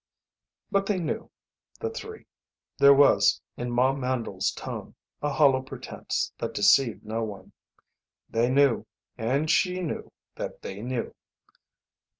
But they knew, the three. There was, in Ma Mandle's tone, a hollow pretence that deceived no one. They knew, and she knew that they knew.